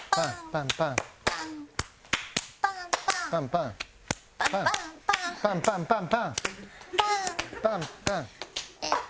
パンパンパパン。